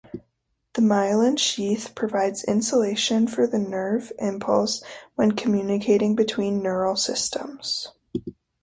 The myelin sheath provides insulation for the nerve impulse when communicating between neural systems.